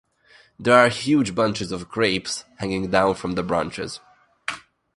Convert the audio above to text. There are huge bunches of grapes hanging down from the branches.